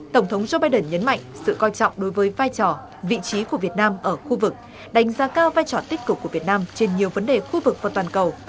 tổng thống joe biden nhấn mạnh sự coi trọng đối với vai trò vị trí của việt nam ở khu vực đánh giá cao vai trò tích cực của việt nam trên nhiều vấn đề khu vực và toàn cầu